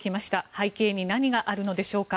背景に何があるのでしょうか。